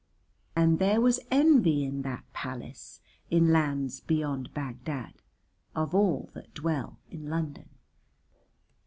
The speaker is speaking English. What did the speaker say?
And there was envy in that palace, in lands beyond Bagdad, of all that dwell in London.